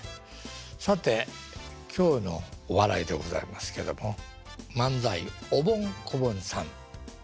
さて今日のお笑いでございますけども漫才おぼん・こぼんさん。